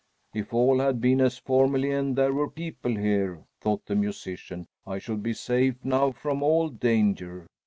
"If all had been as formerly and there were people here," thought the musician, "I should be safe now from all danger."